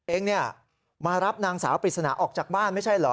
เองมารับนางสาวปริศนาออกจากบ้านไม่ใช่เหรอ